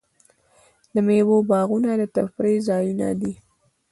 د میوو باغونه د تفریح ځایونه دي.